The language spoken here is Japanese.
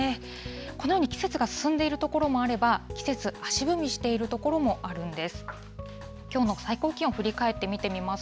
このように季節が進んでいる所もあれば、季節、足踏みしている所もあるんです。